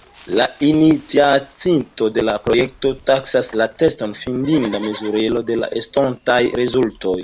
La iniciatinto de la projekto taksas la teston fidinda mezurilo de estontaj rezultoj.